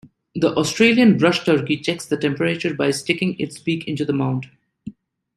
The Australian brushturkey checks the temperature by sticking its beak into the mound.